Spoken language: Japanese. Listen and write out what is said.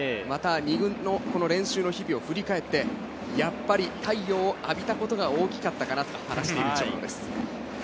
２軍の練習の日々を振り返って、やっぱり太陽を浴びたことが大きかったかなと話している長野です。